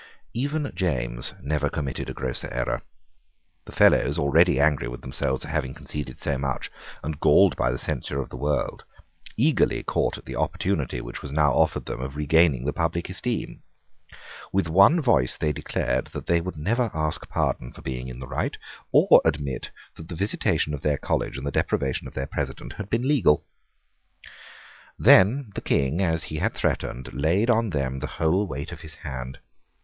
Even James never committed a grosser error. The Fellows, already angry with themselves for having conceded so much, and galled by the censure of the world, eagerly caught at the opportunity which was now offered them of regaining the public esteem. With one voice they declared that they would never ask pardon for being in the right, or admit that the visitation of their college and the deprivation of their President had been legal. Then the King, as he had threatened, laid on them the whole weight of his hand.